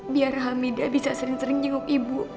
biar hamidah bisa sering sering jinggup ibu